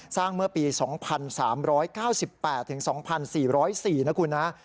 สร้างเมื่อปี๒๓๙๘๒๔๐๔นะครับคุณฮะ